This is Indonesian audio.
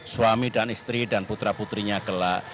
suami dan istri dan putra putrinya kelak